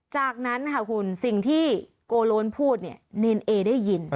จากนั้นค่ะคุณสิ่งที่โกโลนพูดเนี่ยเนรเอได้ยิน